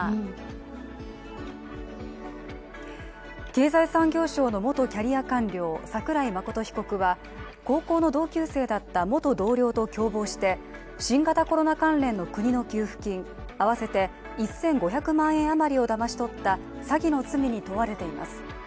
経済産業省の元キャリア官僚、桜井真被告は高校の同級生だった元同僚と共謀して、新型コロナ関連の国の給付金合わせて１５００万円余りをだまし取った詐欺の罪に問われています。